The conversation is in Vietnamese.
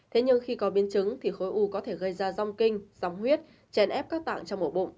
thế nhưng khi có biến chứng thì khối u có thể gây ra rong kinh dòng huyết chèn ép các tạng trong mổ bụng